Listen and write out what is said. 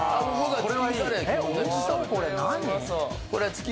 これ。